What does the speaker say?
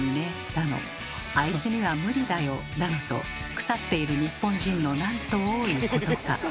だの「あいつには無理だよ」だのと腐っている日本人のなんと多いことか。